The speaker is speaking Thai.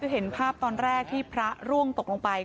คือเห็นภาพตอนแรกที่พระร่วงตกลงไป